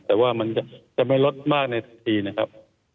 แต่ว่ามันจะไม่ลดมากในทีนะครับ